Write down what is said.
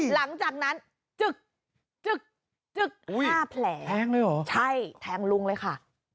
หลังจากนั้นจึกจึกจึก๕แผลแทงเลยเหรอใช่แทงลุงเลยค่ะ